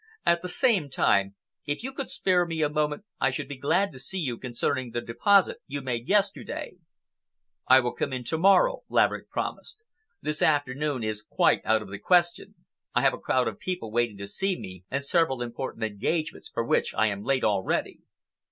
"At the same time, if you could spare me a moment I should be glad to see you concerning the deposit you made yesterday." "I will come in to morrow," Laverick promised. "This afternoon it is quite out of the question. I have a crowd of people waiting to see me, and several important engagements for which I am late already."